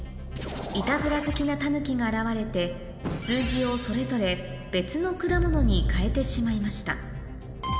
イタズラ好きなタヌキが現れて数字をそれぞれ別の果物に変えてしまいました